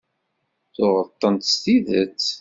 Tuɣeḍ-tent s tidet.